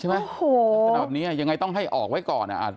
โอ้โหขนาดแบบนี้ยังไงต้องให้ออกไว้ก่อน